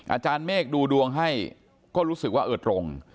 อาจารย์เมฆดูดวงให้ก็รู้สึกว่าเออตรง